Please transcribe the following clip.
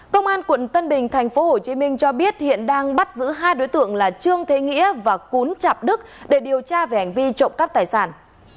công an quận tân bình tp hcm cho biết hiện đang bắt giữ hai đối tượng là trương thế nghĩa và cún chạp đức để điều tra về hành vi trộm cắp tài sản